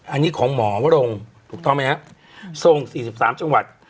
อันนี้ของหมอวรงศ์ถูกต้องไหมฮะส่งสี่สิบสามจังหวัด